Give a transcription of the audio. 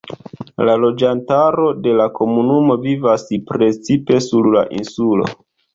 La loĝantaro de la komunumo vivas precipe sur la insulo.